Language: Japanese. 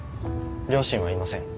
両親はいません。